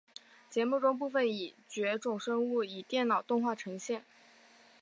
节目中部分已绝种生物以电脑动画呈现。